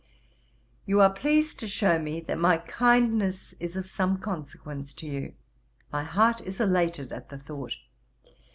'You are pleased to shew me, that my kindness is of some consequence to you. My heart is elated at the thought.